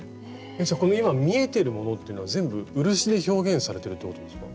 じゃあこの今見えているものっていうのは全部漆で表現されてるってことですか？